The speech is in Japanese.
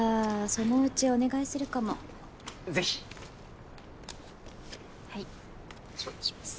そのうちお願いするかもぜひはいちょうだいします